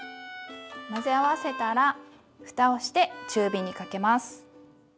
混ぜ合わせたらふたをして中火にかけます。